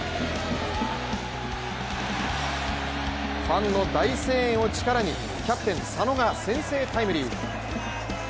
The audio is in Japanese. ファンの大声援を力にキャプテン・佐野が先制タイムリー。